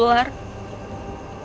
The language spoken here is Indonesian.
ya biasa juga